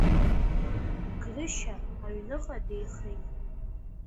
Грышьа аҩныҟа деихеит.